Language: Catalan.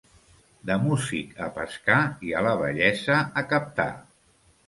De músic a pescar i a la vellesa a captar.